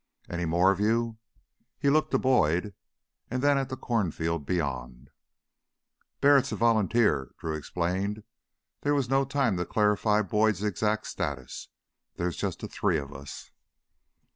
"Any more of you?" He looked to Boyd and then at the cornfield beyond. "Barrett's a volunteer," Drew explained. This was no time to clarify Boyd's exact status. "There're just the three of us."